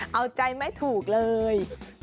เอาใจไม่ถูกเลย